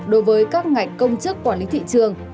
đối với các ngạch công chức quản lý thị trường